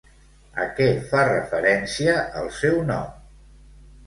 A què fa referència el seu nom?